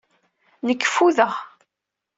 Nekk ffudeɣ.